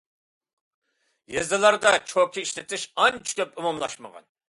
يېزىلاردا چوكا ئىشلىتىش ئانچە كۆپ ئومۇملاشمىغان.